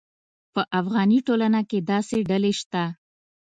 په افغاني ټولنه کې داسې ډلې شته.